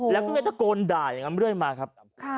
แล้วก็เนี่ยจะโกนด่ายอย่างงั้นด้วยมาครับ